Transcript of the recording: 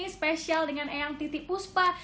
spesial dengan eyang titik puspa